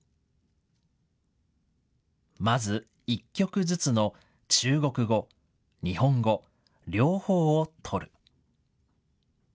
まず１曲ずつの中国語、日本語、両方をとる。